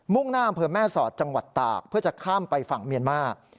่งหน้าอำเภอแม่สอดจังหวัดตากเพื่อจะข้ามไปฝั่งเมียนมาร์